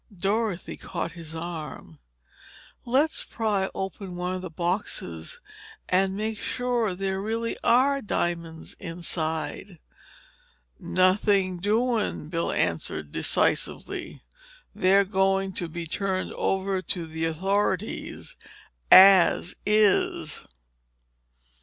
Dorothy caught his arm. "Let's pry open one of the boxes, and make sure there really are diamonds inside." "Nothing doing," Bill answered decisively. "They're going to be turned over to the authorities—as is!"